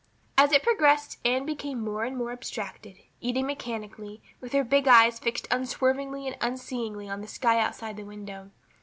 As it progressed Anne became more and more abstracted, eating mechanically, with her big eyes fixed unswervingly and unseeingly on the sky outside the window.